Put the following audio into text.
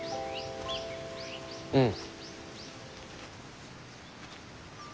うん。